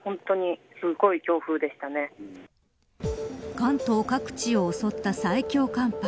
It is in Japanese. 関東各地を襲った最強寒波。